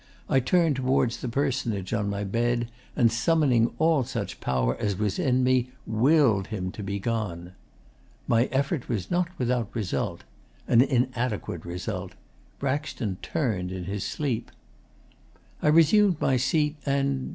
I turned towards the personage on my bed, and, summoning all such power as was in me, WILLED him to be gone. My effort was not without result an inadequate result. Braxton turned in his sleep. 'I resumed my seat, and...